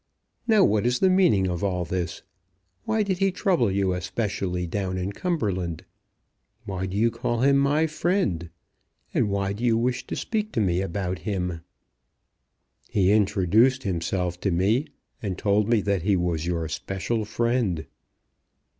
Now, what is the meaning of all this? Why did he trouble you especially down in Cumberland? Why do you call him my friend? And why do you wish to speak to me about him?" "He introduced himself to me, and told me that he was your special friend."